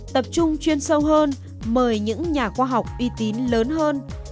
tập trung chuyên sâu hơn mời những nhà khoa học uy tín lớn hơn